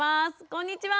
こんにちは！